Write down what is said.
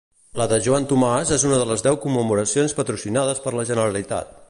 La de Joan Tomàs és una de les deu commemoracions patrocinades per la Generalitat.